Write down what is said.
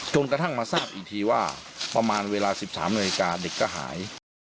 กระทั่งมาทราบอีกทีว่าประมาณเวลา๑๓นาฬิกาเด็กก็หาย